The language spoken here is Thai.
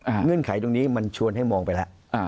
เงื่อนไขตรงนี้มันชวนให้มองไปแล้วอ่า